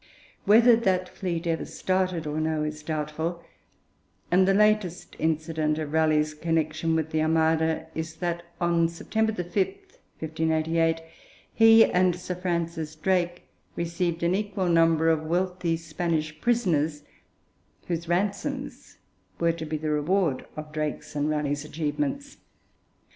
Whether that fleet ever started or no is doubtful, and the latest incident of Raleigh's connection with the Armada is that on September 5, 1588, he and Sir Francis Drake received an equal number of wealthy Spanish prisoners, whose ransoms were to be the reward of Drake's and of Raleigh's achievements.